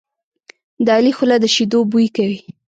د علي خوله د شیدو بوی کوي.